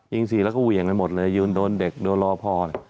สิแล้วก็เหวี่ยงไปหมดเลยยืนโดนเด็กโดนรอพอ